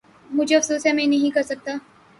مجھے افسوس ہے میں نہیں کر سکتا۔